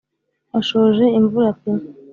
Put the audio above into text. washoje imvura pe